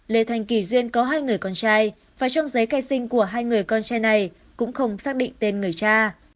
lê thành kỳ duyên có hai người con trai và trong giấy khai sinh của hai người con trai này cũng không xác định tên người cha